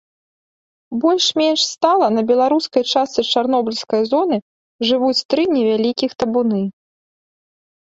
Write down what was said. Больш-менш стала на беларускай частцы чарнобыльскай зоны жывуць тры невялікіх табуны.